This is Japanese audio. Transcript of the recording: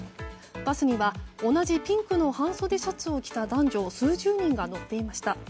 バスには同じピンクの半袖シャツを着た男女数十人が乗っていました。